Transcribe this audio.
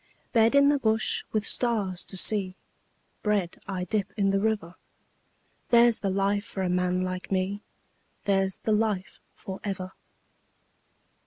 Bed in the bush with stars to see, Bread I dip in the river There's the life for a man like me, There's the life for ever.